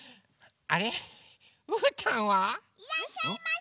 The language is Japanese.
・いらっしゃいませ！